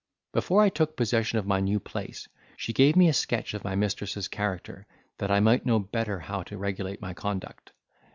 Before I took possession of my new place, she gave me a sketch of my mistress's character, that I might know better how to regulate my conduct.